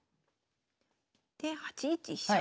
で８一飛車。